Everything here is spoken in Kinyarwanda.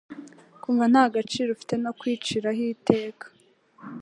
Kumva nta gaciro ufite no kwiciraho iteka